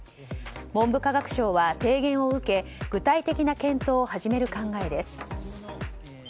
文部科学省は提言を受け具体的な検討を始める考えです。